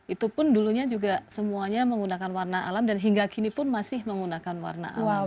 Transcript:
itu pun dulunya juga semuanya menggunakan warna alam dan hingga kini pun masih menggunakan warna alam